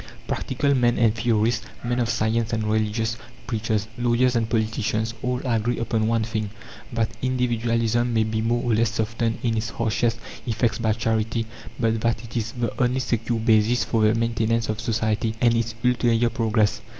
"Practical" men and theorists, men of science and religious preachers, lawyers and politicians, all agree upon one thing that individualism may be more or less softened in its harshest effects by charity, but that it is the only secure basis for the maintenance of society and its ulterior progress.